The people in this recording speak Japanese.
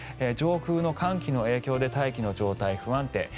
上空の寒気の影響で大気の状態不安定。